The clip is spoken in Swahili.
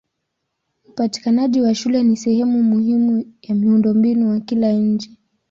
Upatikanaji wa shule ni sehemu muhimu ya miundombinu wa kila nchi.